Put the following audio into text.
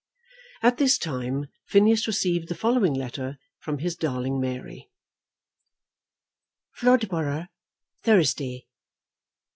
At this time Phineas received the following letter from his darling Mary: Floodborough, Thursday.